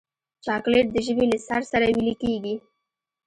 چاکلېټ د ژبې له سر سره ویلې کېږي.